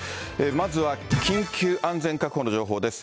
まずは緊急安全確保の情報です。